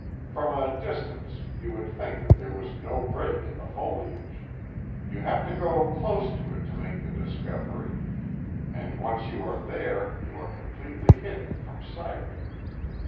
From a distance you would think that there was no break in the foliage; you have to go close to it to make the discovery, and once you are there you are completely hidden from sight.